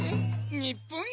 日本一？